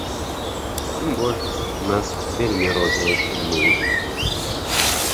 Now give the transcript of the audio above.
Тым больш, у нас вельмі розныя фільмы ідуць.